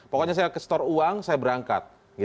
pokoknya saya ke store uang saya berangkat